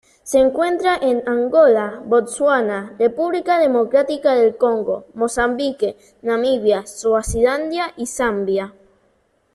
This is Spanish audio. Se encuentra en Angola, Botsuana, República Democrática del Congo, Mozambique, Namibia, Suazilandia y Zambia.